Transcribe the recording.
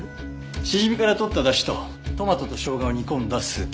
シジミからとった出汁とトマトと生姜を煮込んだスープ。